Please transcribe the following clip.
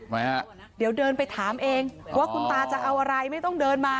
ไหมฮะเดี๋ยวเดินไปถามเองว่าคุณตาจะเอาอะไรไม่ต้องเดินมา